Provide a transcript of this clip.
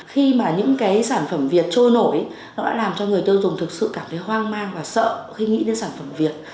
khi mà những cái sản phẩm việt trôi nổi nó đã làm cho người tiêu dùng thực sự cảm thấy hoang mang và sợ khi nghĩ đến sản phẩm việt